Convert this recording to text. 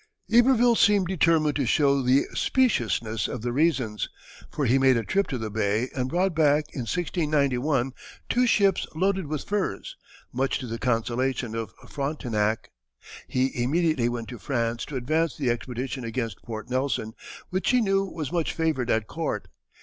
Iberville seemed determined to show the speciousness of the reasons, for he made a trip to the bay and brought back in 1691 two ships loaded with furs, much to the consolation of Frontenac. He immediately went to France to advance the expedition against Port Nelson, which he knew was much favored at court.